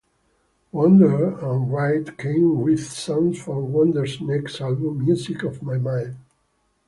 Wonder and Wright came with songs for Wonder's next album, "Music of My Mind".